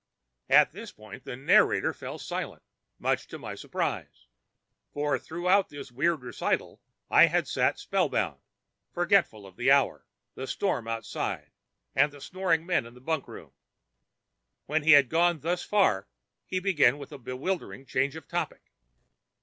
'" At this point the narrator fell silent, much to my surprise, for throughout this weird recital I had sat spellbound, forgetful of the hour, the storm outside, and the snoring men in the bunkroom. When he had gone thus far he began with a bewildering change of topic.